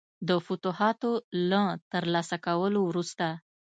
د فتوحاتو له ترلاسه کولو وروسته.